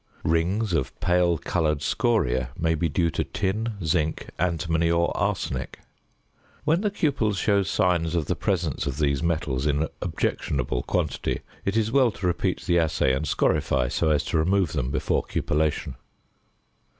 Rings of pale coloured scoria may be due to tin, zinc, antimony, or arsenic. When the cupel shows signs of the presence of these metals in objectionable quantity, it is well to repeat the assay and scorify so as to remove them before cupellation.